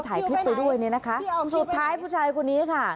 ถ่ายคลิปไปด้วยเนี่ยนะคะสุดท้ายผู้ชายคนนี้ค่ะ